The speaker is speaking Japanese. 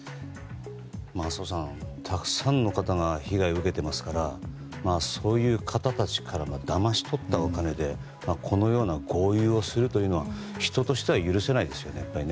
浅尾さん、たくさんの方が被害を受けていますからそういう方たちからだまし取ったお金でこのような豪遊をするというのは人としては許せないですよね。